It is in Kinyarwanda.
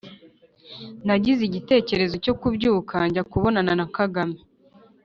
nagize igitekerezo cyo kubyuka njya kubonana na kagame